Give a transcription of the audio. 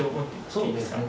そうですね。